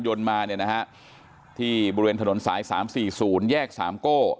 ยนต์มาเนี่ยนะฮะที่บริเวณถนนสาย๓๔๐แยก๓ก้อ